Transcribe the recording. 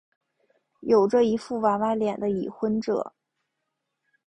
有着一副娃娃脸的已婚者。